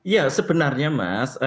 ya sebenarnya mas